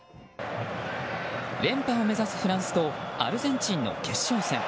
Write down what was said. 連覇を目指すフランスとアルゼンチンの決勝戦。